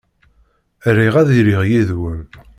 Riɣ ad iliɣ yid-wen.